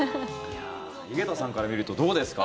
井桁さんから見るとどうですか？